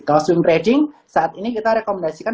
kalau swim trading saat ini kita rekomendasikan